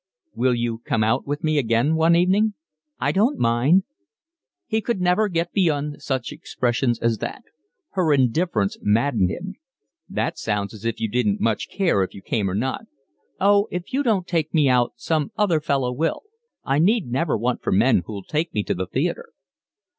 "Will you come out with me again one evening?" "I don't mind." He could never get beyond such expressions as that. Her indifference maddened him. "That sounds as if you didn't much care if you came or not." "Oh, if you don't take me out some other fellow will. I need never want for men who'll take me to the theatre."